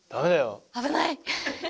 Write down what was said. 危ない！